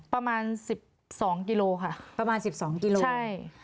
ประมาณสิบสองกิโลค่ะประมาณสิบสองกิโลใช่